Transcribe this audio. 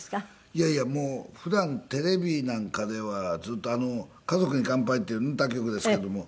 いやいやもう普段テレビなんかではずっと『家族に乾杯』っていう他局ですけれども。